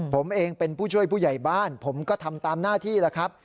ผมเองเป็นผู้ช่วยผู้ใหญ่บ้านผมก็ทำตามหน้าที่แล้วครับ